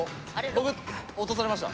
僕落とされました。